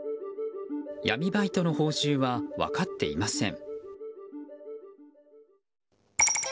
闇バイトの報酬は分かっていません。